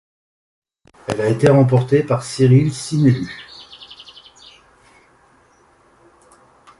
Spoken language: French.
Elle a été remportée par Cyril Cinélu.